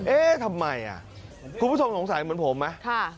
เอ๊ะทำไมคุณผู้ชมสงสัยเหมือนผมไหม